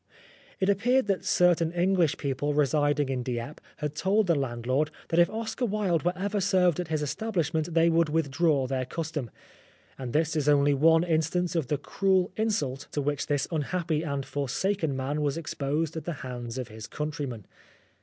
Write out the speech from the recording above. It appeared that certain English people residing in Dieppe had told the landlord that if Oscar Wilde were ever served at his establishment they would with draw their custom. And this is only one instance of the cruel insult to which this 240 Oscar Wilde unhappy and forsaken man was exposed at the hands of his countrymen.